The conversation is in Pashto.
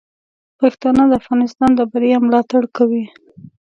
پښتانه د افغانستان د بریا ملاتړ کوي.